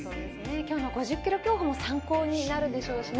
今日の５０ｋｍ競歩も参考になるでしょうしね。